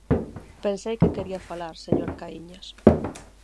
Pensei que quería falar, señora Caíñas.